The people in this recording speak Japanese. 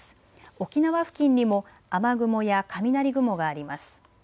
沖縄付近にも雨雲や雷雲があります。